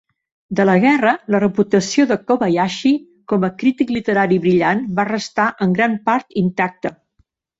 De la guerra, la reputació de Kobayashi com a crític literari brillant va restar en gran part intacta.